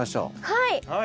はい。